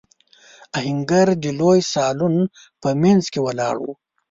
آهنګر د لوی سالون په مينځ کې ولاړ و.